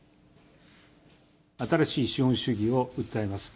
新しい資本主義を訴えます。